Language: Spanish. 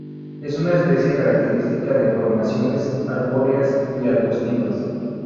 Es una especie característica de formaciones arbóreas y arbustivas.